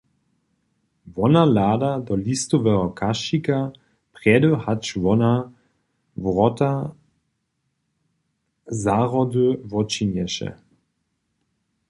Wona hlada do listoweho kašćika, prjedy hač wona wrota zahrody wočinješe.